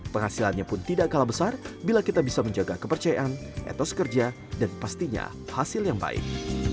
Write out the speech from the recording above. penghasilannya pun tidak kalah besar bila kita bisa menjaga kepercayaan etos kerja dan pastinya hasil yang baik